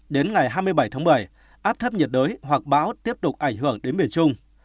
đến ngày hai mươi bảy tháng bảy áp thấp nhiệt đới hoặc bão tiếp tục ảnh hưởng đến miền trung